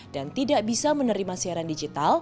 dan tidak bisa menerima siaran digital